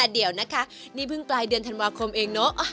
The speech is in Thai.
เดี๋ยวนะคะนี่เพิ่งปลายเดือนธันวาคมเองเนอะ